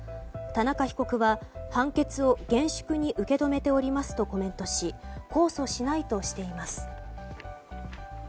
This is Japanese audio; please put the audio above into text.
田中被告は判決を厳粛に受け止めておりますとコメントし控訴しないとしています。